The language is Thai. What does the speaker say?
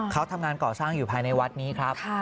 เขาทำงานก่อสร้างอยู่ภายในวัดนี้ครับ